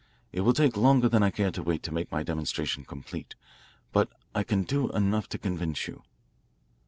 It will take longer than I care to wait to make my demonstration complete, but I can do enough to convince you."